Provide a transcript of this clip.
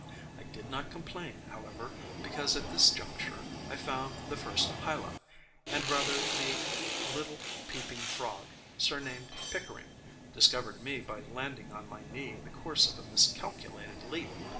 I did not complain, however, because at this juncture I found the first hyla; or rather the little peeping frog, surnamed Pickering, discovered me by landing on my knee in the course of a miscalculated leap.